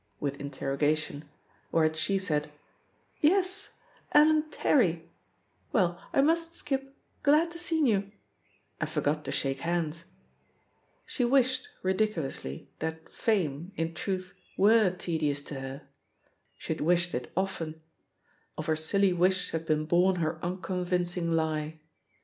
with interrogation; whereat THE POSITION OF PEGGY HARPER 265 she said, "Yes, Ellen Terry, Well, I must skip I Glad to seen you," and forgot to shake hands. She wished, ridiculously, that "fame,'* in truth, were tedious to her; she had wished it often — of her silly wish had been bom her unconvincing lie.